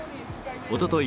おととい